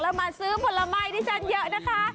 แล้วมาซื้อผลไม้ที่ฉันเยอะนะคะ